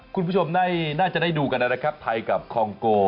คุณผู้ชมน่าจะได้ดูกันนะครับไทยกับคองโก